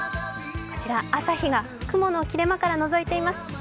朝日が雲の切れ間からのぞいています。